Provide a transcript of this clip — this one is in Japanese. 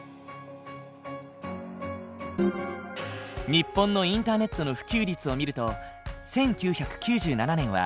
日本のインターネットの普及率を見ると１９９７年は９．２％だった。